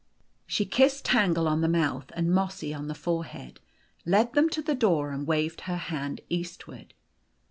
She kissed Tangle on the mouth and Mossy on tin forehead, led them to the door, and \vaved her hand eastward.